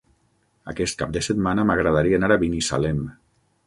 Aquest cap de setmana m'agradaria anar a Binissalem.